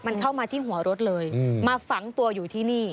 มันเข้ามาที่หัวรถเลยมาฝังตัวอยู่ที่นี่